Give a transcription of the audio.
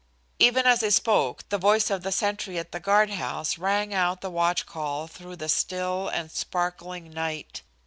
Even as he spoke the voice of the sentry at the guard house rang out the watch call through the still and sparkling night.